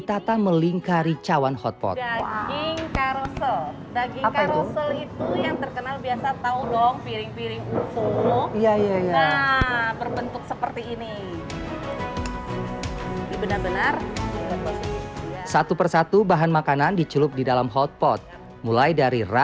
karena memang ada arang yang masih dipanaskan kemudian airnya mendidih